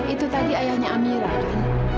itu tadi ayahnya amira kan